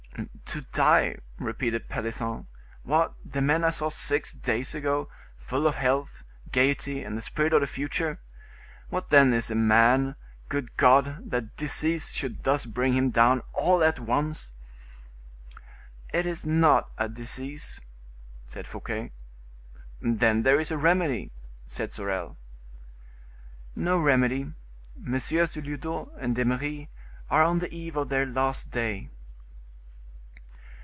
"To die!" repeated Pelisson; "what, the men I saw six days ago, full of health, gayety, and the spirit of the future! What then is man, good God! that disease should thus bring him down all at once!" "It is not a disease," said Fouquet. "Then there is a remedy," said Sorel. "No remedy. Messieurs de Lyodot and D'Eymeris are on the eve of their last day."